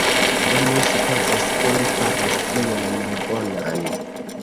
Do, mi supozas, ke li faras ion malbonan